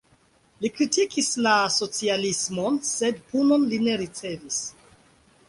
Li kritikis la socialismon, sed punon li ne ricevis.